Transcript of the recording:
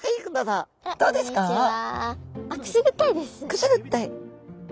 くすぐったいです。